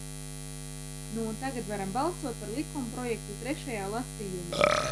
Nu un tagad varam balsot par likumprojektu trešajā lasījumā!